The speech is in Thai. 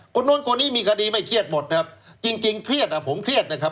คนนู้นคนนี้มีคดีไม่เครียดหมดนะครับจริงจริงเครียดอ่ะผมเครียดนะครับ